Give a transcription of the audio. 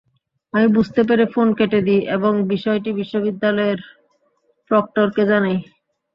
আমি বুঝতে পেরে ফোন কেটে দিই এবং বিষয়টি বিশ্ববিদ্যালয়ের প্রক্টরকে জানাই।